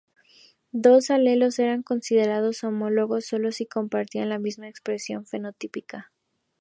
Dos alelos eran considerados homólogos solo si compartían la misma expresión fenotípica.